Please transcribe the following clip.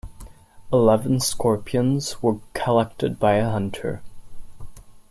Eleven scorpions were collected by a hunter.